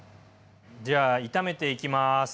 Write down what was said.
じゃ炒めていきます。